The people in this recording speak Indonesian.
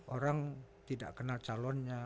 orang tidak kenal calonnya